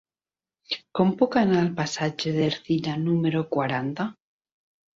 Com puc anar al passatge d'Ercilla número quaranta?